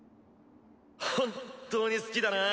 本当に好きだなぁ